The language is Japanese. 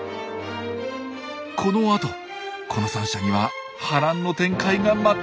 この後この３者には波乱の展開が待っています。